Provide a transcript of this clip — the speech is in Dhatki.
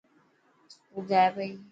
اسڪول جائي پئي.